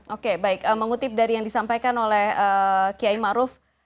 oke baik mengutip dari yang disampaikan oleh kiai maruf